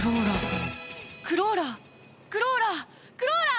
クローラークローラークローラー！